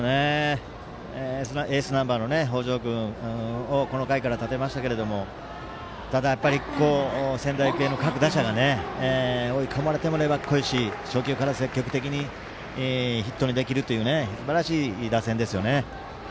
エースナンバーの北條君をこの回から立てましたけどただ、仙台育英の各打者が追い込まれても粘っこいし初球から積極的にヒットにできるというすばらしい打線ですよね。